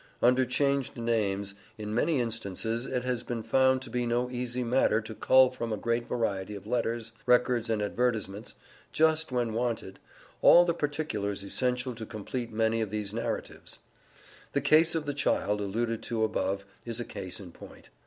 Under changed names, in many instances, it has been found to be no easy matter to cull from a great variety of letters, records and advertisements, just when wanted, all the particulars essential to complete many of these narratives. The case of the child, alluded to above, is a case in point.